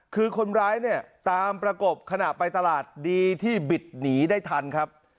คือคนร้ายเนี่ยตามประกบขณะไปตลาดดีที่บิดหนีได้ทันครับ